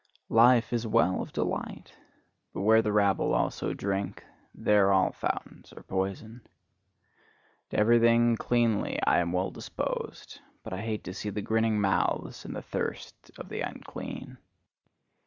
Life is a well of delight; but where the rabble also drink, there all fountains are poisoned. To everything cleanly am I well disposed; but I hate to see the grinning mouths and the thirst of the unclean.